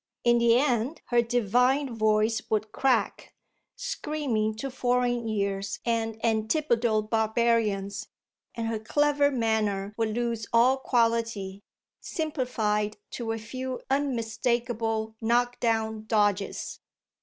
In the end her divine voice would crack, screaming to foreign ears and antipodal barbarians, and her clever manner would lose all quality, simplified to a few unmistakable knock down dodges.